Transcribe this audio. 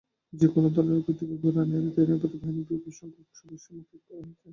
যেকোনো ধরনের অপ্রীতিকর ঘটনা এড়াতে নিরাপত্তা বাহিনীর বিপুলসংখ্যক সদস্য মোতায়েন করা হয়েছে।